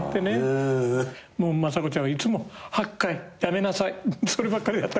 もう雅子ちゃんはいつも「八戒やめなさい」そればっかりだった。